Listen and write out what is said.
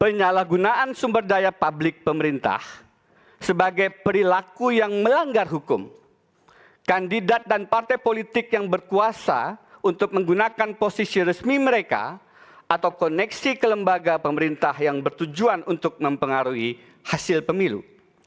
penyalahgunaan sumber daya publik pemerintah sebagai perilaku yang melanggar hukum kandidat dan partai politik yang berkuasa untuk menggunakan posisi resmi mereka atau koneksi ke lembaga pemerintah yang bertujuan untuk mempengaruhi hasil pemilu